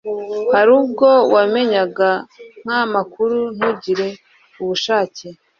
hari ubwo wamenyaga nk'amakuru ntugire ubushake